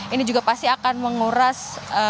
ini juga pasti akan menguras